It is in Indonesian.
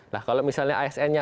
nah kalau misalnya asn nya